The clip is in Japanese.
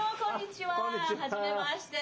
はじめまして。